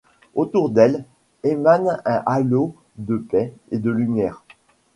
Autour d'elle, émane un halo de paix et de lumière.